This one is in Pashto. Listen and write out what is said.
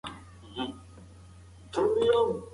مورخ محمد کاظم مروي د شاه سلیمان د زمانې په اړه لیکنه کړې.